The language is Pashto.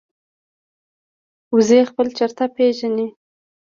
وزې خپل چرته پېژني